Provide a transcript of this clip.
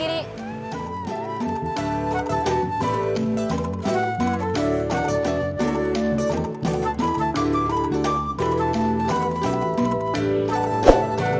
itu kegiatan luar biasa